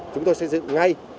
chúng tôi sẽ dựng ngay